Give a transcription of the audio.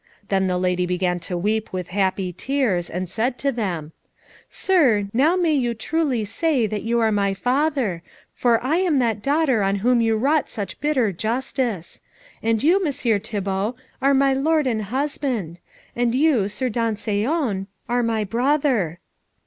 Then the lady began to weep with happy tears, and said to them, "Sir, now may you truly say that you are my father, for I am that daughter on whom you wrought such bitter justice. And you, Messire Thibault, are my lord and husband; and you, sir dansellon, are my brother."